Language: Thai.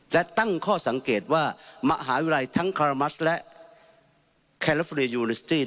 และตั้งข้อสังเกตว่ามหาวิทยาลัยทั้งคารามัสและแคลอฟเรียยูลิสตี้